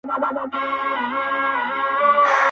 ستا د قاتل حُسن منظر دی، زما زړه پر لمبو.